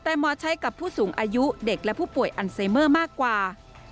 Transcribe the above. แต่หมอใช้กับผู้สูงอายุเด็กและผู้ป่วยอันไซเมอร์มากกว่า